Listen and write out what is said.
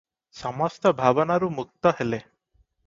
ସମସ୍ତ ଭାବନାରୁ ମୁକ୍ତ ହେଲେ ।